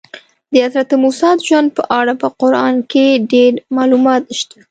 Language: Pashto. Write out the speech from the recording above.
د حضرت موسی د ژوند په اړه په قرآن کې ډېر معلومات شته.